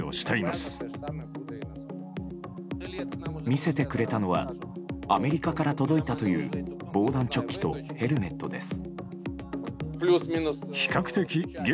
見せてくれたのはアメリカから届いたという防弾チョッキとヘルメットです。